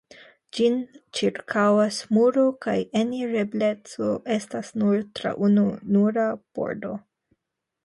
Ĝin ĉirkaŭas muro kaj enirebleco estas nur tra ununura pordo.